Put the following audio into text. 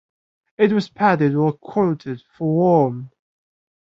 It was padded or quilted for warm.